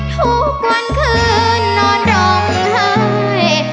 ทุกวันคืนนอนดงเฮ้ย